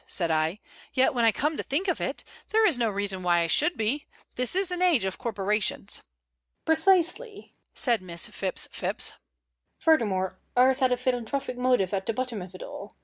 said I. "Yet, when I come to think of it, there is no reason why I should be. This is an age of corporations." "Precisely," said Miss Phipps Phipps. "Furthermore, ours had a philanthropic motive at the bottom of it all.